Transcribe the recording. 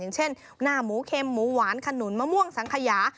เช่นหน้าหมูเค็มหมูหวานขนุนมะม่วงสังขยา